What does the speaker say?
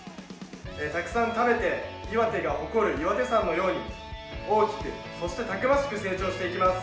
たくさん食べて岩手が誇る岩手山のように大きく、そしてたくましく成長していきます。